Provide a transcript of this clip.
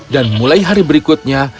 dan mulai hari berikutnya